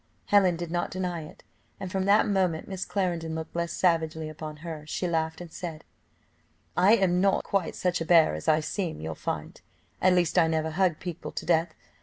Helen did not deny it, and from that moment Miss Clarendon looked less savagely upon her: she laughed and said, "I am not quite such a bear as I seem, you'll find; at least I never hug people to death.